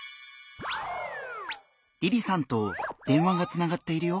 りりさんと電話がつながっているよ！